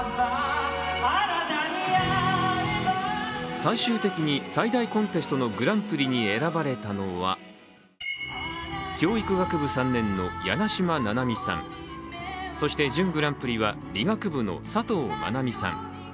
最終的に埼大コンテストのグランプリに選ばれたのは教育学部３年の梁島菜々美さん、そして準グランプリは理学部の佐藤愛美さん。